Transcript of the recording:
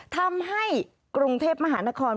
ทำให้กรุงเทพมหานคร